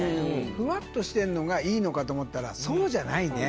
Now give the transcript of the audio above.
フワっとしてるのがいいのかと思ったらそうじゃないね。